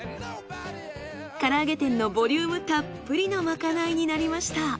から揚げ店のボリュームたっぷりのまかないになりました。